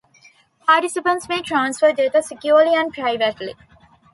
Participants may transfer data securely and privately.